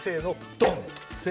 ドン！